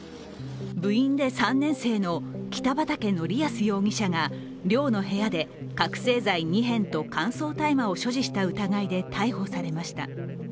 部員で３年生の北畠成文容疑者が寮の部屋で覚醒剤２片と乾燥大麻を所持した疑いで逮捕されました。